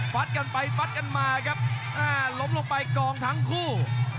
ปัดกันไปปัดกันมาครับลงลงไปกองทั้งคู่